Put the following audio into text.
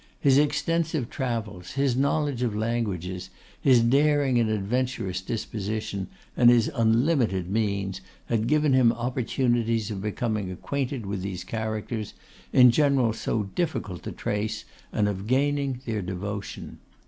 His extensive travels, his knowledge of languages, his daring and adventurous disposition, and his unlimited means, had given him opportunities of becoming acquainted with these characters, in general so difficult to trace, and of gaining their devotion.